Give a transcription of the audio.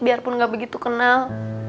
biarpun nggak begitu kenal